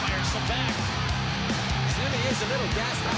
นั่นคือสิ่งที่เราต้องคิดว่ามันจะเป็นอะไรหรือเปล่า